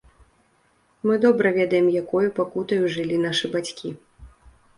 Мы добра ведаем, якою пакутаю жылі нашы бацькі.